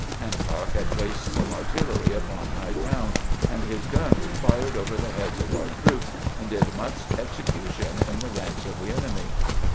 Hancock had placed some artillery upon high ground, and his guns fired over the heads of our troops and did much execu tion in the ranks of the enemy.